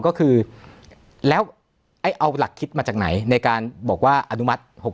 ก็คือแล้วเอาหลักคิดมาจากไหนในการบอกว่าอนุมัติ๖๖